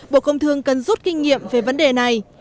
bộ công thương cần rút kinh nghiệm về vấn đề này